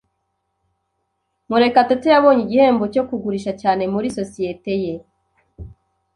Murekatete yabonye igihembo cyo kugurisha cyane muri sosiyete ye.